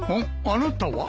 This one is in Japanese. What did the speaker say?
あなたは？